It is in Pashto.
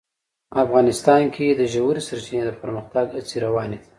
افغانستان کې د ژورې سرچینې د پرمختګ هڅې روانې دي.